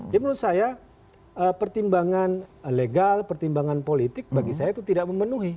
jadi menurut saya pertimbangan legal pertimbangan politik bagi saya itu tidak memenuhi